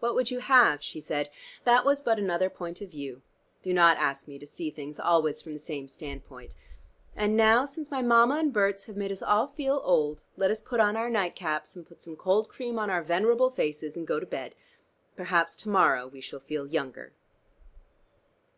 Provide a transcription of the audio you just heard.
"What would you have?" she said. "That was but another point of view. Do not ask me to see things always from the same standpoint. And now, since my mama and Berts have made us all feel old, let us put on our night caps and put some cold cream on our venerable faces and go to bed. Perhaps to morrow we shall feel younger."